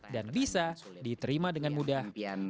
dan bisa diterima dengan mudah